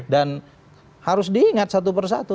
dan harus diingat satu persatu